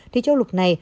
thì châu lục này